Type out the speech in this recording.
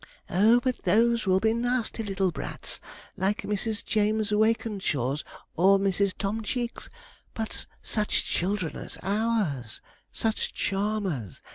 'Oh, but those will be nasty little brats, like Mrs. James Wakenshaw's, or Mrs. Tom Cheek's. But such children as ours! such charmers!